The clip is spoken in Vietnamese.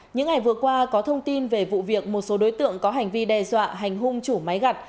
những ngày vừa qua có thông tin về vụ việc một số đối tượng có hành vi đe dọa hành hung chủ máy gặt